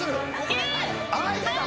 『あい』出た。